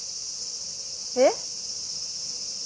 えっ？